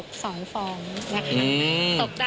ไข่ตกสองฟองนะคะ